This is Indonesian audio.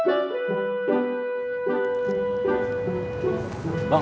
beli satu doang